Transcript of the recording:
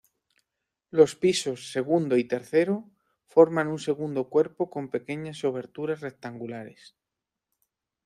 Los pisos segundo y tercero forman un segundo cuerpo con pequeñas oberturas rectangulares.